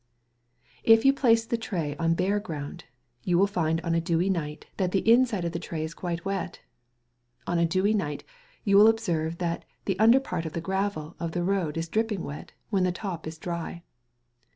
If you place the tray on bare ground, you will find on a dewy night that the inside of the tray is quite wet. On a dewy night you will observe that the under part of the gravel of the road is dripping wet when the top is dry.